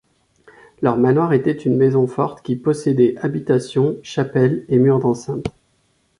Leur manoir était une maison forte qui possédait habitation, chapelle et mur d'enceinte.